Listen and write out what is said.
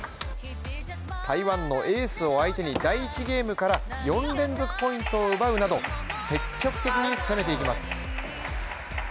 台湾のエースを相手に第１ゲームから４連続ポイントを奪うなど、積極的に攻めていきます。